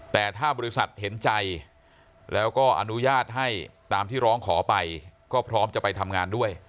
แต่ถ้าบริษัทเห็นใจแล้วก็อนุญาตให้ตามที่ร้องขอไปก็พร้อมจะไปทำงานด้วย